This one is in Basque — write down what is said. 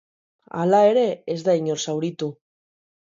Hala ere, ez da inor zauritu.